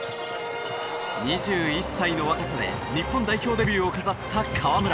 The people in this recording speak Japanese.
２１歳の若さで日本代表デビューを飾った河村。